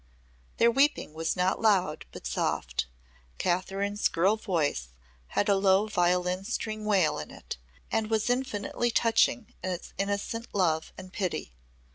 Their weeping was not loud but soft. Kathryn's girl voice had a low violin string wail in it and was infinitely touching in its innocent love and pity.